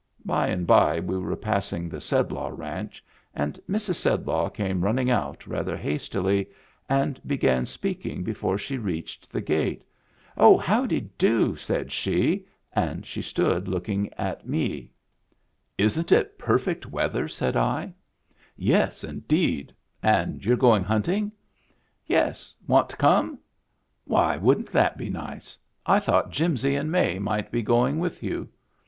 By and by we were passing the Sedlaw Ranch and Mrs. Sedlaw came running out rather hastily — and began speaking before she reached the gate. "Oh, howdy do?" said she; and she stood looking at me. Digitized by Google 314 MEMBERS OF THE FAMILY " Isn't it perfect weather ?" said I. " Yes, indeed. And so you're going hunting ?" Yes. Want to come ?"" Why, wouldn't that be nice I I thought Jimsy and May might be going with you."